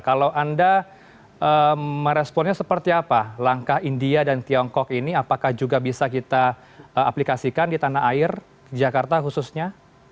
kalau anda meresponnya seperti apa langkah india dan tiongkok ini apakah juga bisa kita aplikasikan di tanah air jakarta khususnya